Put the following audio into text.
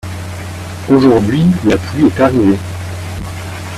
Aujourd'hui, la pluie est arrivée